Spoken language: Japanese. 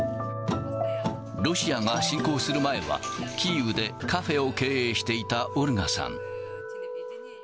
ロシアが侵攻する前は、キーウでカフェを経営していたオルガさん。